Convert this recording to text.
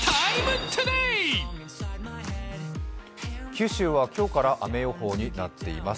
九州は今日から雨予報になっています。